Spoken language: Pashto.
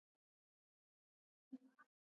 افغانستان په تالابونه غني دی.